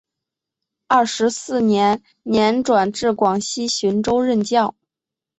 二十四年年转至广西浔州任教。